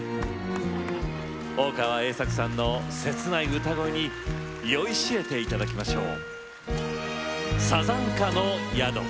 大川栄策さんの切ない歌声に酔いしれていただきましょう。